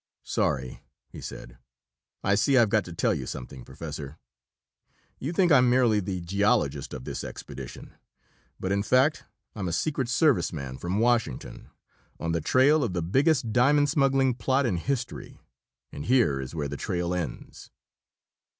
"Sorry!" he said. "I see I've got to tell you something, Professor. You think I'm merely the geologist of this expedition, but in fact I'm a secret service man from Washington, on the trail of the biggest diamond smuggling plot in history and here is where the trail ends!"